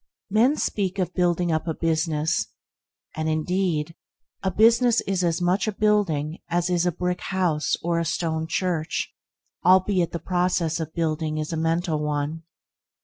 Men speak of "building up a business," and, indeed, a business is as much a building as is a brick house or a stone church, albeit the process of building is a mental one.